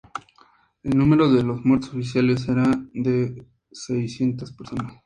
El número de muertos oficiales era de seiscientas personas.